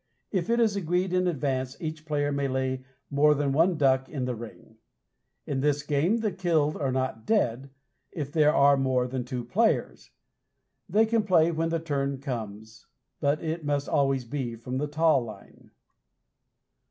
If it is agreed in advance, each player may lay more than one duck in the ring. In this game the killed are not dead, if there are more than two players. They can play when the turn comes, but it must always be from the taw line.